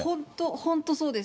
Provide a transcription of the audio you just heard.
本当そうです。